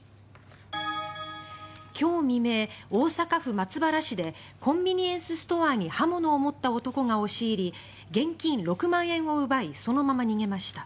今日未明、大阪府松原市でコンビニエンスストアに刃物を持った男が押し入り現金６万円を奪いそのまま逃げました。